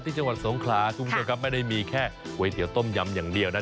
จังหวัดสงขลาคุณผู้ชมครับไม่ได้มีแค่ก๋วยเตี๋ยวต้มยำอย่างเดียวนะ